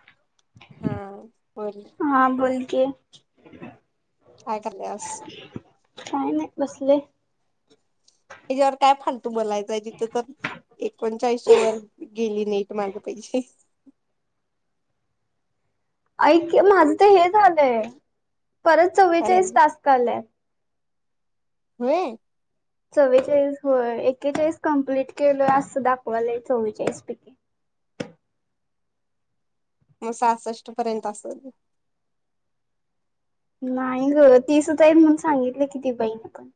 Hello. हा बोल. हा बोल की काय करल्यास? बसली आहे. त्याच्यावर काय फालतू बोलायचंय जिथं तर एकोणचाळीसच्या वर गेले नाहीत माझे पैसे. ऐक की माझं तर हे झालंय परत काय झालं चव्वेचाळीस टास्क‌ आलाय व्हय चव्वेचाळीस होय. एकेचाळीस कमप्लीट केलं असं दाखवायल चव्वेचाळीसपैकी. मग सहासष्ट पर्यंत असल नाही गं तीसच आहेत म्हणून सांगितलं की त्या बाईन पण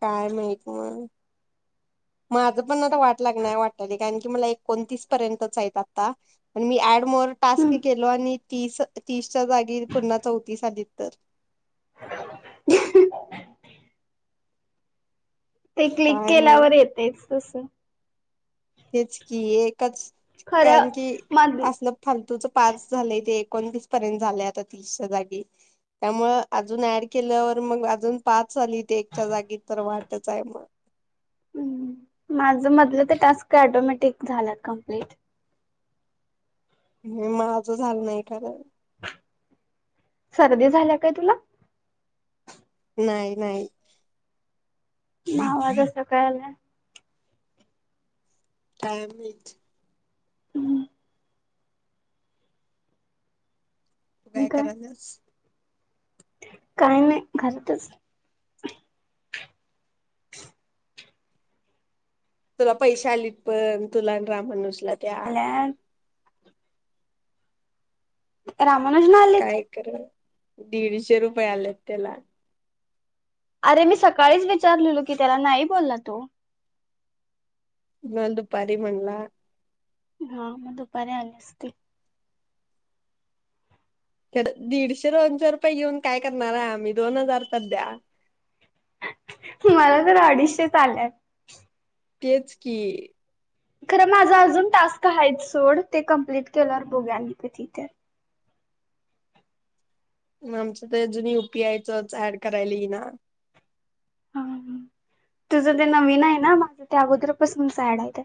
काय माहित मग माझ पण आता वाट लागणार वाटते कारण की, मला एकोणतीस पर्यंतच आहेत आता पण मी ऍडमोअर टास्क हम्म केलो आणि तीस तीसच्या जागी पुन्हा चौतीस आली तर ते क्लिक काय माहित केल्यावर येतयच तसं. तेच की, एक च कारण खरं की, मध असलं फालतूच टास्क झाले ते एकोणतीस पर्यंत झालय आता तीसच्या जागी त्यामुळ अजून ऍड केल्यावर मग अजून पाच झाली ते एकच्या जागी तर वाटच आहे म हम्म. माझ मधलं ते टास्क ॲटोमॅटिक झाल‌ं कंप्लीट. माझं झालं नाही खरं सर्दी झालीया काय तुला? नाही नाही. म आवाज असा का यायलाय? काय माहित. हम्म. तू काय करायलेस? काय नाय घरातच [inaudible] तुला पैसे आलीत पण तुला आणि राम, मनोज- ला त्या. आल्या राम काय खर दीडशे रुपये आल्यात त्याला. अरे मी सकाळीच विचारलेलो की त्याला नाही बोलला तो. नन दुपारी म्हणला हा मग दुपारी आले असते. दीडशे दोनशे रुपये घेऊन काय करणारे आम्ही दोन हजार तर द्या. मला तर अडीचशे चाल्यात तेच की खरं माझा अजून टास्क हाए सोड ते कंप्लीट केल्यावर बोघ्यानी तिथे आमचं तर अजुून युपीआयचच ऍड करालेइ ना हा तुझं ते नवीन आए ना मग ते अगोदरपसून साडायते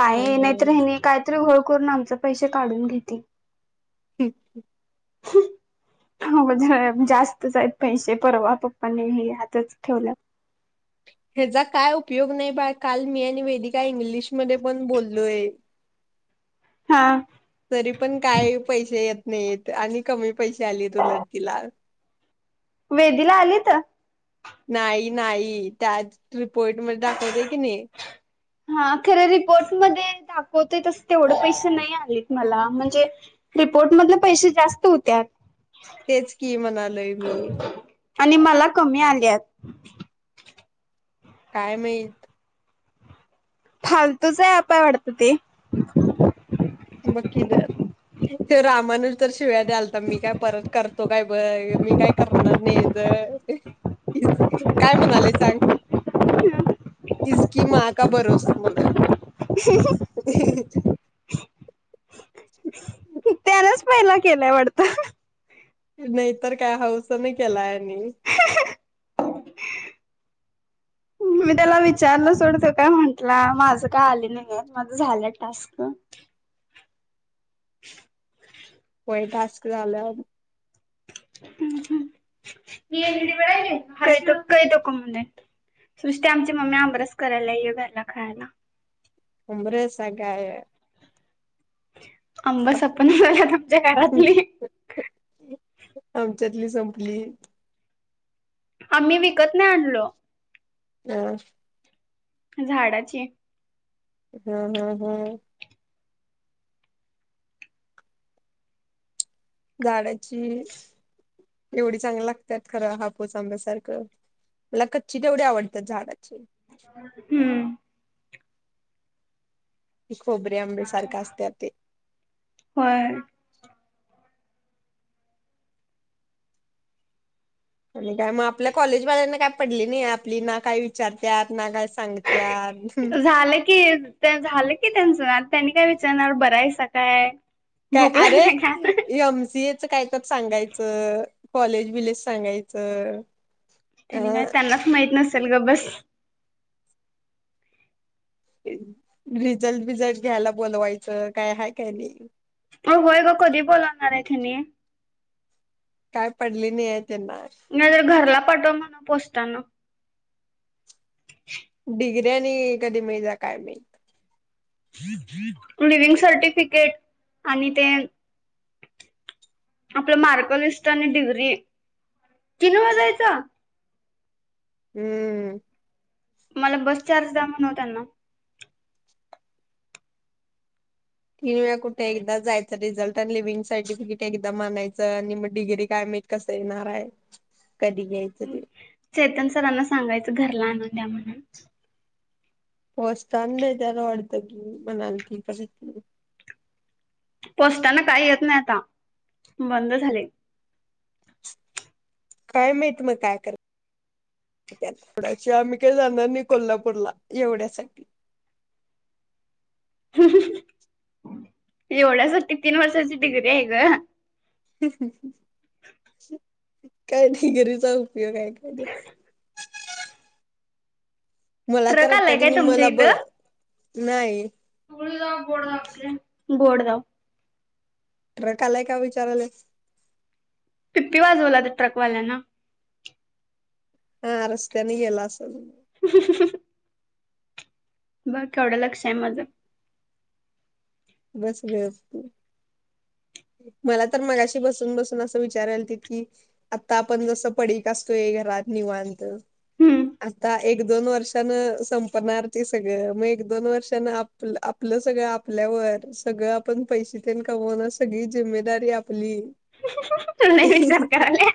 बाहे हम्म नाहीते कात्रू हो करून आमचं पैशे काढून घेती हम् हम्म थांब ज जास्तच हाएत पैशे परवा पप्पानी हे हातच ठेवलं ह्याचा काय उपयोग नाही बा काल मी आणि वेदिका इंग्लिशमध्येध्ये पण बोललोय हा तरी पण काइ पैशे येत नाहीेत आणि कमी पैशे आलेत उलट तीला वेदीला आली त नाइ नाइ त्याच रिपोर्ट मधे दाखवतय की नाही हा खरं रिपोर्ट मधे दाखवतव तस तेवढं पैसे नाही आलेत मला म्हणजे रिपोर्ट मधले पैशे जास्त होत्यात. तेच की म्हणालोय मी आणि मला कमी आल्यात कायमईत फालतूचं अँपाय वाटत ते रामानज तर शिव्या द्याल तर मी काय परत करतो काय बघ मी काय करणार नाही ज काय म्हणाले सांग [unintelligible] [unintelligible] [unintelligible] [unintelligible] त्यानच पहिला केलाय वाडतं नाइतर काय हाऊस त नी केलायनी मी त्याला विचारलं सोड तो का म्हंटला माझं का आलेलं नाइये माझं झालंय टास्कं [unintelligible] व्हय टास्क झालं [unintelligible] नुसती आमची मम्मी आमरस करायला ये घरला खायला. आमरस आ गया या आंबा सपान झाला तुमच्या घरातली. आमच्यातली संपली! आम्ही विकत नाइ आणलं. [unintelligible] झाडाचे ह ह ह. झाडाची एवढी चांगली लागत्यात खरं हापूस आंब्यासारखं मला कच्ची तेवढी आवडत्यात झाडाची. हम्म. खोबरे आंब्यासारखे असत्या ते. होय. आणि काय मग आपल्या कॉलेजवाल्यांना काय पडली नाही आपली ना काय विचारत्यात न काय सांगत्यात. झालं की झालं की त्यांच त्यांनी काय विचारणार बरहाईसा काय काय भूक अरे लागली का एमसीए कायतर सांगायचं कॉलेज बिलेज सांगायचं त्यांनी काय अ त्यांनाच माहित नसत चलग बस रिझल्ट बिझल्ट घ्यायला बोलवायचं काय हाय काय नाही. म होय ग कधी बोलणार हाईथ ह्यानी? काय पडले नाही आहेत नाहीतर घरला पाटवा म्हनाव पोस्टान. डिग्री. ते आणि कधी मिळतीया काय माहित. लिवंग सर्टिफिकेट आणि ते आपलं मार्कलिस्ट आणि डिग्री तीन वेळा जायच. हम्म. मला बस चार्ज द्या म्हणाव त्यांना. तीन वेळा कुठे एकदा जायचं रिझल्ट लिव्हंग सर्टिफिकेट एकदम आनायचं आणि मग डिग्री कायम माहित कसं येणार आहे? कधी घ्यायचं ते चेतन सरांना सांगायचं घरला आणाय. द्या म्हनून. पोस्टान देत्यात वाटतं की म्हनालती शितली पोस्टान काय येत नाही आता बंद झालय. काय माहित म काय करत्यात थोडाशी आम्ही काही जाणार नाही कोल्हापूरला एवढ्यासाठी एवढ्यासाठी तीन वर्षांची डिग्री आहे ग. ह् हम्. काय नाही डिग्रीचा उपयोग आहे काय त्या? मला तर ट्रक आलाय काय आतागिनीनि मलाब नाही. बोट दाव ट्रक आलाय का विचाराल्यास. पीपी वाजवला त्या ट्रकवाल्या्य न हा अ रस्त्यानी गेला असल. [unintelligible] बघ केवढं लक्ष आहे माझं. बस गप तू [unintelligible] मला तर मगाशी बसून बसून असं विचारायला ते की आता आपण जस पडीक असतोय घरात निवांत. हम्म. आत्ता एक दोन वर्षान संपणार ते सगळं मग एक दोन वर्षान आप आपलं सगळं आपल्यावर सगळं आपण पैसे कमवून सगळी जिमेदारी आपली. तु नाही विचार करायला.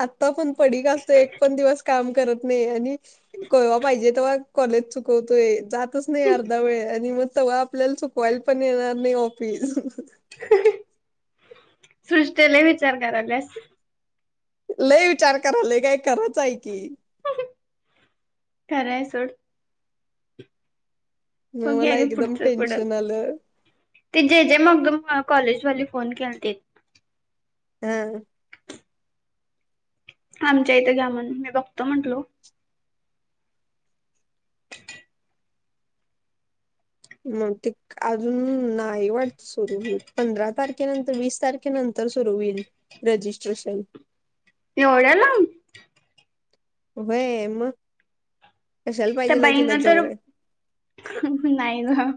आत्ता पण पडीक असतो एक पण दिवस काम करत नाही आणि कवा पाहिजे तेव्हा कॉलेज चुकवतोय जातच नाही अर्धा वेळ आणि मग तेव्हा आपल्याला च कोईल पण येणार नाही फी. सृष्टीला विचार करालास. लय विचार कराल काय खरच आहे की. खरय आहे सोड हो मग मला अगे एकदम पुढचं पुढ टेन्शन आलं ते जे जे मग कॉलेजवाली फोन केलते. हम्म आमच्या इथं घ्या म्हण मी बघतो म्हंटलो. मग ते अजून नाही वाटत सुरू होईल पंधरा तारखेनंतर वीस तारखेनंतर सुरू होईल रजिस्ट्रेशन. एवढ्या लांब व्हय मग कशाला त्या पाहिजेल आहे तुला बाईना तर जवळ नाही ग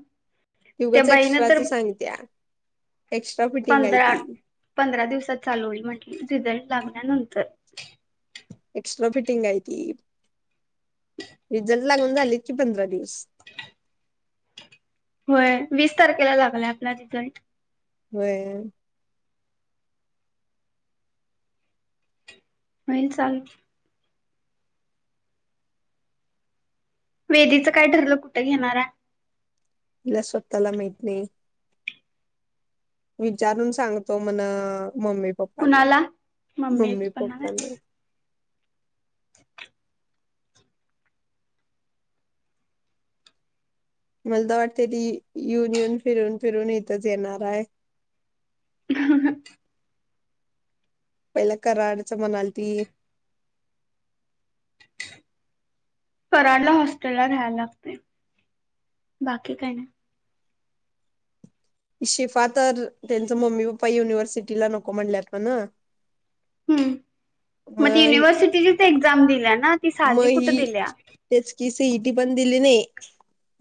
त्या उगच बाईना तर एक्स्ट्राच सांगत्या एक्स्ट्रा फिटिंग आहे पंधरा ती पंधरा दिवसात चालू होईल म्हंटली. रिझल्ट लागल्यानंतर. एक्स्ट्रा फिटिंग आहे ती रिझल्ट लागून झाली कि पंधरा दिवस. होय वीस तारखेला लागलाय आपला रिझल्ट व्हय होईल चाल वेदीच काय ठरलं कुठं घेणार आहे? तिला स्वतःला माहित नाही. विचारून सांगतो म्हण. मम्मी पप्पांना कुणाला मम्मी पप्पांना. मलातर वाटत ते युनियन फिरून फिरून इथच येणार आहे. ह [unintelligible] पहिला कराडच म्हणालती. कराडला हॉस्टेलला राहायला लागते बाकी काही नाही. ती शिफा तर त्यांचंं मम्मी पप्पा युनिव्हर्सिटीला नको म्हणल्यात म्हणं. ह् मग ती युनिव्हर्सिटीचीच एक्झाम दिली ना? ती मग साधी ही कुठं दिल्या तेच की सीईटी पण दिली नाही.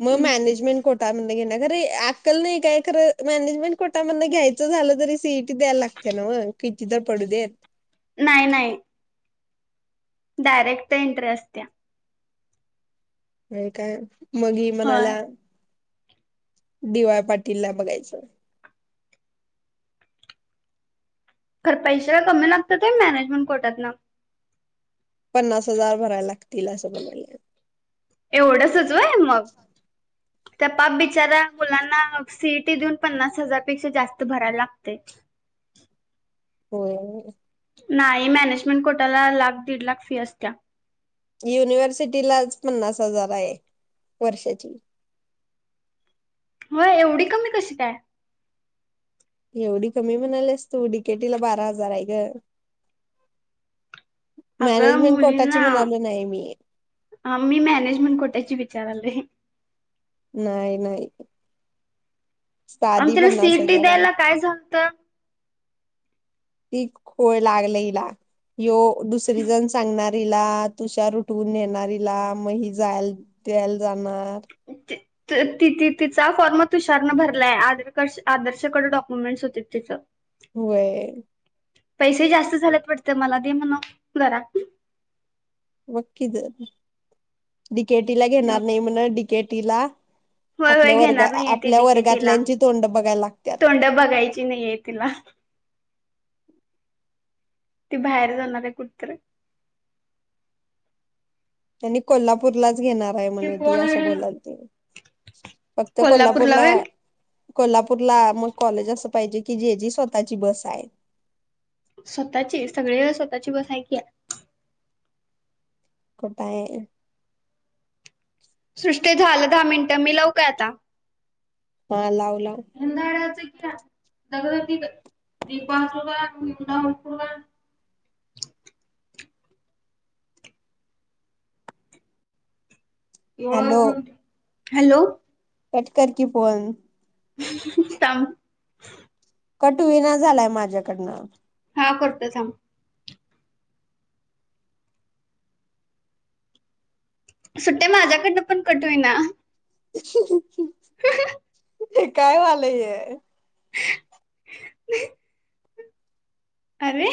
मग मॅनेजमेंट कोट [inaudible] अक्कल नाही काय खरं मॅनेजमेंट कोटा मधनं घ्यायचं झालं तरी सीईटी द्यायला लागते नव्हं मग किती तर पडू देत. नाही नाही डायरेक्ट एन्ट्री असत्या. व्हय काय मग ही होय म्हणायल्या. डीवाय पाटील ला बघायचं. खरं पैसे काय कमी लागतेत व्हय मॅनेजमेंट कोट्यातनंं. पन्नास हजार भरायला लागतील असं म्हणाले. ते [inaudible] जरा मुलांना अ सीईटी देऊन पन्नास हजारपेक्षा जास्त भरायला लागतंय. होय. नाही मॅनेजमेंट कोटाला लाख दीड लाख फी असत्या. युनिव्हर्सिटीलाच पन्नास हजार आहे वर्षाची. व्हय एवढी कमी कशी काय? एवढी कमी म्हणालीस तु डीकेटीला बारा हजार आहे ग. अगं मॅनेजमेंट कोटाची मुलीना म्हणालो नाही मी मी मॅनेजमेंट कोट्याची विचाराले. नाही नाही साधी आमत्याला पन्नास सीईटी हजार आहे द्यायला काय झालतं. ती खुळ लागलंय हिला ह्यो. दुसरी जण सांगणार हिला तुषार उठवून नेणार हिला मग ही जायला द्यायला जाणार. ति तिचा फॉर्म तुषारनं भरलाय आधार आदर्शकडं डॉक्युमेंटस होते तिचं. व्हय. पैसे जास्त झाल्यात वाटतं मला दे म्हणाव की जरा. [inaudible] डिकेटीला घेणार नाही म्हण डिकेट तिला होय होय घेणार नाहीय ती डिकेटीला तोंड बघायला लागत्यात तोंड बघायची नाहीये तिला. ती बाहेर जाणार आहे कुठं तर. आणि कोल्हापूरलाच घेणार आहे ते म्हणं ती असं कोण बोलालती फक्त कोल्हापूरला कोल्हापूरला मग कॉलेज असं पाहिजे की जे जी स्वतःची बस आहे. स्वतःची सगळी व स्वतःची बस आहे की. कुठ आहे? सृष्टी झालं दहा मिनिटं, मी लव काय आता. ह लाव. लाव एंदाडच घेऊया. नग दीपा [unintelligible] एवळ हॅलो [inaudible] हॅलो. कट कर की फोन. हम् हम् थांब. कट हुईना झालाय माझ्याकडनं. हा करतो थांब. सुट्टे माझ्याकडनं पण कट हुईना. [unintelligible] [inaudible] हे काय व्हालंय? [unintelligible] अरे